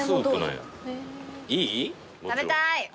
食べたい。